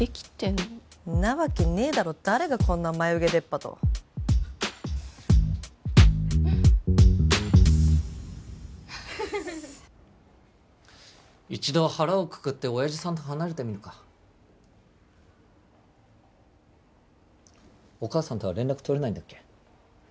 んなわけねえだろ誰がこんなマユゲデッパと一度腹をくくって親父さんと離れてみるかお母さんとは連絡取れないんだっけ？